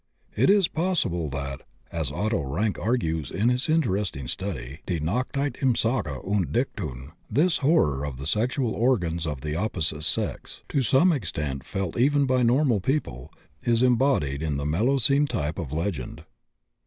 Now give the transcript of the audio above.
It is possible that, as Otto Rank argues in his interesting study, "Die Naktheit im Sage und Dichtung," this horror of the sexual organs of the opposite sex, to some extent felt even by normal people, is embodied in the Melusine type of legend.